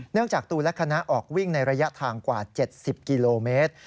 จากตูนและคณะออกวิ่งในระยะทางกว่า๗๐กิโลเมตร